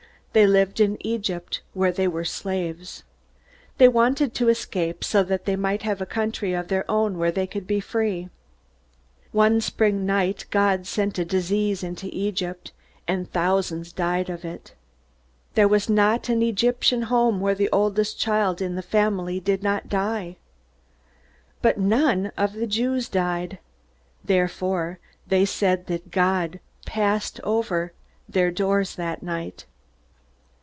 They lived in Egypt, where they were slaves. They wanted to escape, so that they might have a country of their own where they could be free. One spring night God sent a disease into Egypt, and thousands died of it. There was not an Egyptian home where the oldest child in the family did not die. But none of the Jews died. Therefore, they said that God passed over their doors that night.